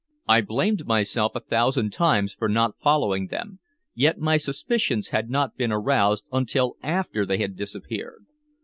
I blamed myself a thousand times for not following them, yet my suspicions had not been aroused until after they had disappeared.